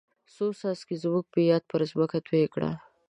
څو څاڅکي زموږ په یاد پر ځمکه توی کړه.